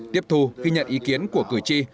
tiếp thù khi nhận ý kiến của cử tri